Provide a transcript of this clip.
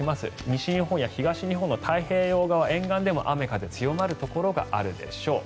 西日本や東日本の太平洋側沿岸でも雨、風強まるところがあるでしょう。